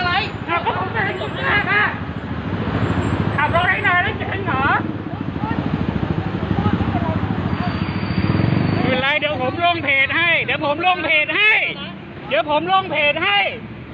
ไม่เป็นไรเดี๋ยวผมล่วงเพจให้